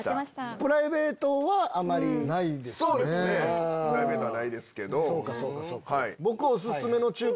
プライベートはないですけど。